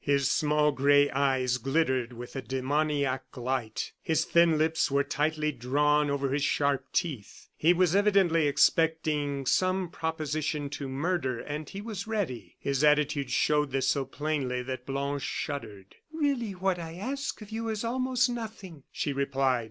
His small gray eyes glittered with a demoniac light; his thin lips were tightly drawn over his sharp teeth; he was evidently expecting some proposition to murder, and he was ready. His attitude showed this so plainly that Blanche shuddered. "Really, what I ask of you is almost nothing," she replied.